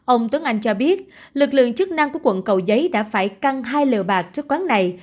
ông tuấn anh cho biết lực lượng chức năng của quận cầu giấy đã phải căng hai lều bạc trước quán này